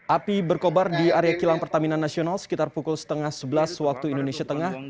api berkobar di area kilang pertamina nasional sekitar pukul setengah sebelas waktu indonesia tengah